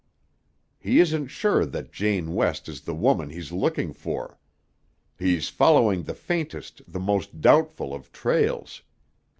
"He isn't sure that Jane West is the woman he's looking for. He's following the faintest, the most doubtful, of trails.